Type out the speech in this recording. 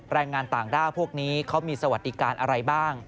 แรงงานต่างด้าวพวกนี้เขามีสวัสดิการอะไรบ้าง